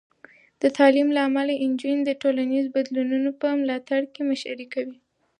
د تعلیم له امله، نجونې د ټولنیزو بدلونونو په ملاتړ کې مشري کوي.